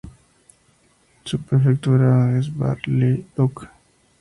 Su prefectura es Bar-le-Duc.